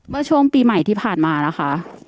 เมื่อช่วงปีใหม่ที่ผ่านมานะคะ